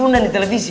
nona juga di televisi